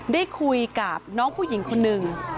ได้คุยกับน้องผู้หญิงคนหนึ่ง